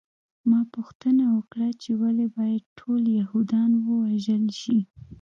ما پوښتنه وکړه چې ولې باید ټول یهودان ووژل شي